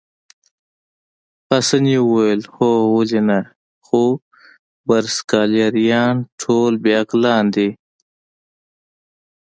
پاسیني وویل: هو ولې نه، خو برساګلیریايان ټول بې عقلان دي.